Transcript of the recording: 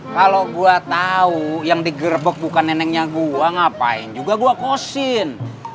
kalo gua tau yang digerbok bukan neneknya gua ngapain juga gua kosin